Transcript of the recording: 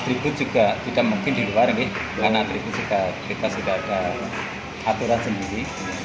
atribut juga tidak mungkin di luar ini karena atribut kita sudah ada aturan sendiri